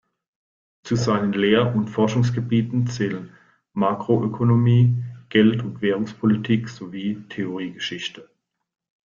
Zu seinen Lehr- und Forschungsgebieten zählen Makroökonomie, Geld- und Währungspolitik sowie Theoriegeschichte.